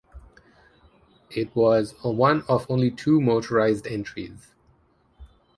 It was one of only two motorized entries.